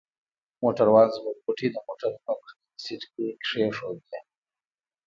موټروان زموږ غوټې د موټر په مخکني سیټ کې کښېښودې.